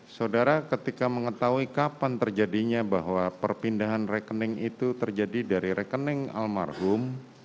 saudara ketika mengetahui kapan terjadinya bahwa perpindahan rekening itu terjadi dari rekening almarhum